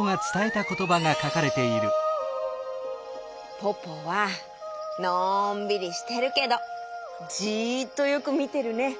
ポポはのんびりしてるけどじっとよくみてるね！